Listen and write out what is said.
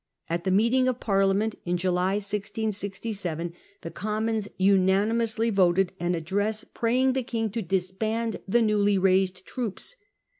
At the meeting of Parliament in July, 1667, the Commons unanimously voted an address praying the King to disband the newly raised troops.